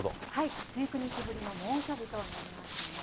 １９日ぶりの猛暑日となりましたね。